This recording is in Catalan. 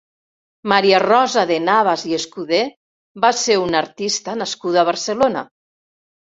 Maria Rosa De Navas i Escuder va ser una artista nascuda a Barcelona.